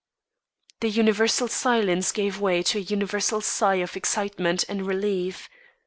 The universal silence gave way to a universal sigh of excitement and relief.